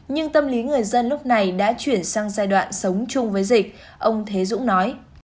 người dân lúc này đã chuyển sang giai đoạn sống chung với dịch ông thế dũng nói